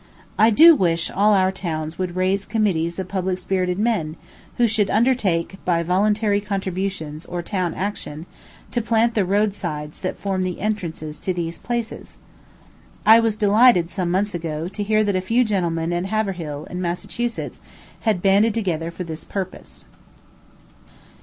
I do wish all our towns would raise committees of public spirited men, who should undertake, by voluntary contributions, or town action, to plant the roadsides that form the entrances to these places. I was delighted, some months ago, to hear that a few gentlemen at Haverhill, in Massachusetts, had banded together for this purpose.